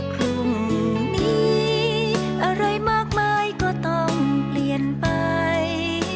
พรุ่งนี้อะไรมากมายก็ต้องเปลี่ยนไป